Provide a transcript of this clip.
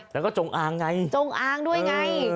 แล้วก็จงอางไงจงอางด้วยไง